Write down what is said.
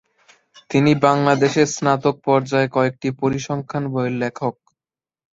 তিনি বাংলাদেশে স্নাতক পর্যায়ে কয়েকটি পরিসংখ্যান বইয়ের লেখক।